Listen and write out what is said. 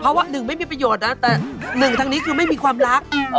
เพราะว่าหนึ่งไม่มีประโยชน์นะแต่หนึ่งทางนี้คือไม่มีความรัก